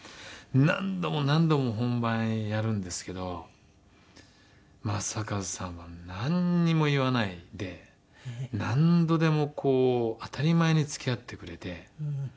何度も何度も本番やるんですけど正和さんはなんにも言わないで何度でも当たり前に付き合ってくれて。